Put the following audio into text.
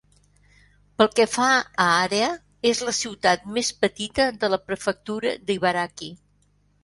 Pel que fa a àrea, és la ciutat més petita de la prefectura d'Ibaraki.